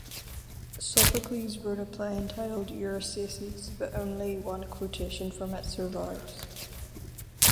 Sophocles wrote a play titled "Eurysaces", but only one quotation from it survives.